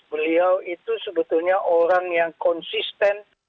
beliau itu sebetulnya orang yang konsisten